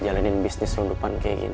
jalanin bisnis lu depan kayak gini